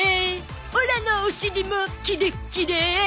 オラのお尻もキレッキレ